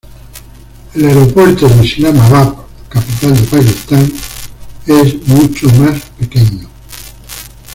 El aeropuerto de Islamabad, capital de Pakistán, es mucho más pequeño.